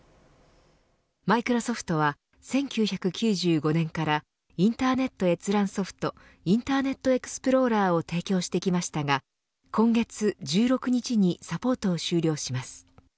マイクロソフトは１９９５年からインターネット閲覧ソフトインターネットエクスプローラーを提供してきましたが今月１６日にサポートを終了します。